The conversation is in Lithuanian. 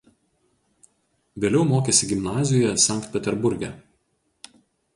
Vėliau mokėsi gimnazijoje Sankt Peterburge.